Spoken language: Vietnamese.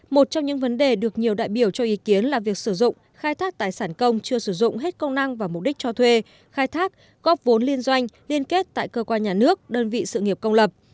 một trong những vấn đề được nhiều đại biểu cho ý kiến là việc sử dụng khai thác tài sản công chưa sử dụng hết công năng và mục đích cho thuê khai thác góp vốn liên doanh liên kết tại cơ quan nhà nước đơn vị sự nghiệp công lập